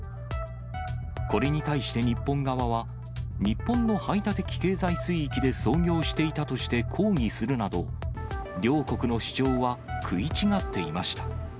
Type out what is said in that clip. これに対して日本側は、日本の排他的経済水域で操業していたとして抗議するなど、両国の主張は食い違っていました。